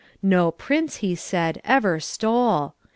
No prince, he said, ever stole.